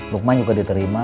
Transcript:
lukman juga diterima